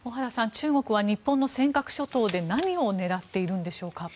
中国は日本の尖閣諸島で何を狙っているんでしょうか。